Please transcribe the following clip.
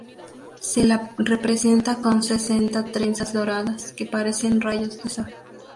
Se la representa con sesenta trenzas doradas, que parecen rayos de sol.